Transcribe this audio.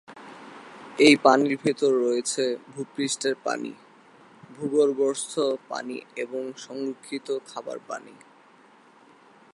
এই পানির ভেতর রয়েছে ভূপৃষ্ঠের পানি, ভূগর্ভস্থ পানি এবং সংরক্ষিত খাবার পানি।